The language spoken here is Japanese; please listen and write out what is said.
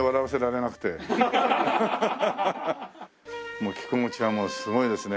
もう着心地はもうすごいですね。